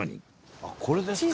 あっこれですか。